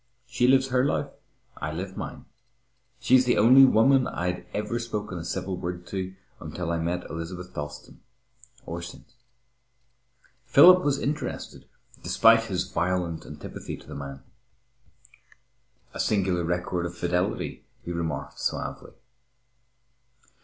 She lives her life, I live mine. She's the only woman I'd ever spoken a civil word to until I met Elizabeth Dalstan, or since." Philip was interested despite his violent antipathy to the man. "A singular record of fidelity," he remarked suavely.